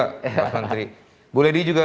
pak menteri bu lady juga